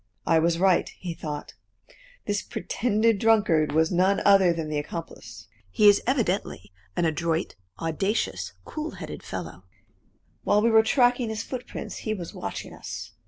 "I was right," he thought; "this pretended drunkard was none other than the accomplice. He is evidently an adroit, audacious, cool headed fellow. While we were tracking his footprints he was watching us.